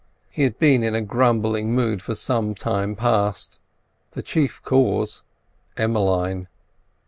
He had been in a grumbling mood for some time past: the chief cause, Emmeline.